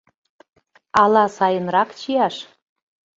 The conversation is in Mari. Ала сайынрак чияш?